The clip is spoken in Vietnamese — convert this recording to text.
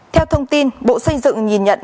theo thông tin bộ xây dựng nhìn nhận